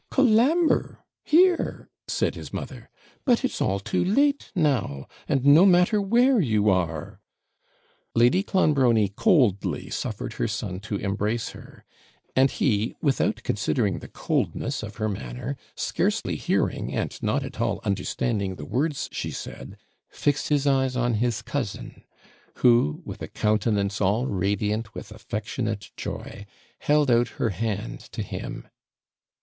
'Colambre! here!' said his mother; 'but it's all too late now, and no matter where you are.' Lady Clonbrony coldly suffered her son to embrace her; and he, without considering the coldness of her manner, scarcely hearing, and not at all understanding the words she said, fixed his eyes on his cousin, who, with a countenance all radiant with affectionate joy, held out her hand to him.